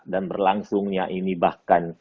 dan berlangsungnya ini bahkan